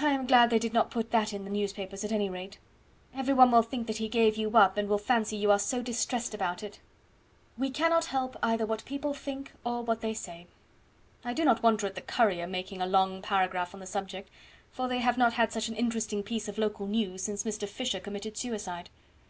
I am glad they did not put that in the newspapers, at any rate. Every one will think that he gave you up, and will fancy you are so distressed about it." "We cannot help either what people think or what they say. I do not wonder at the COURIER making a long paragraph on the subject, for they have not had such an interesting piece of local news since Mr. Fisher committed suicide."